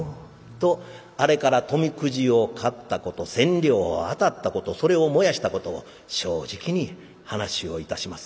とあれから富くじを買ったこと千両当たったことそれを燃やしたことを正直に話をいたします。